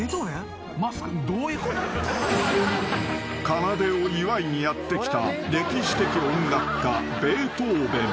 ［かなでを祝いにやって来た歴史的音楽家ベートーヴェン］